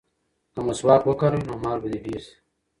که مسواک وکاروې نو مال به دې ډېر شي.